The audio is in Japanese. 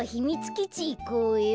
きちいこうよ。